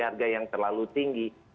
harga yang terlalu tinggi